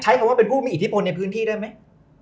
ใช้คำว่าเป็นผู้มีอิทธิพลในพื้นที่ได้ไหม